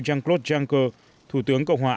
jean claude juncker thủ tướng cộng hòa